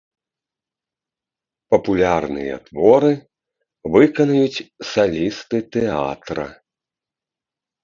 Папулярныя творы выканаюць салісты тэатра.